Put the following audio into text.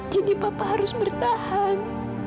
jadi papa harus bertahan